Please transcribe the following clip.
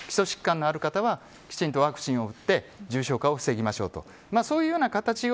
高齢の方と基礎疾患のある方は、きちんとワクチンを打って重症化を防ぎましょうと。